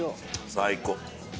最高！